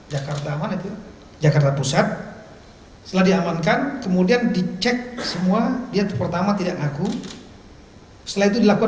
jakarta jakarta pusat seladi amankan kemudian dicek semua dia pertama tidak ngaku selain itu